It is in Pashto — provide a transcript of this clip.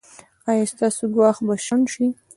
ایا ستاسو ګواښ به شنډ شي؟